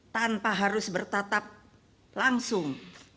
tanpa harus bertatap langsung